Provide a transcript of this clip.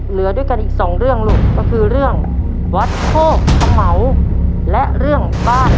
เหลืออีกสองเรื่องลงก็คือเรื่องวัดโคตมเมาและเรื่องเท่าไร